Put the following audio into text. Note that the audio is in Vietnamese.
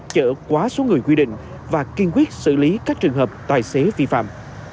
chở quá số người quy định và kiên quyết xử lý các trường hợp tài xế vi phạm